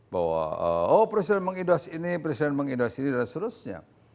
bahwa oh presiden meng indos ini presiden meng indos ini dan seterusnya